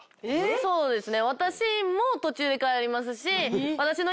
そうですね。